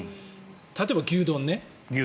例えば牛丼ね。